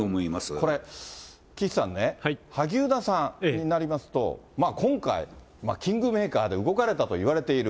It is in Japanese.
これ、岸さんね、萩生田さんになりますと、今回、キングメーカーで動かれたといわれている。